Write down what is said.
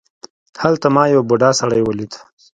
هلته ما یو بوډا سړی ولید.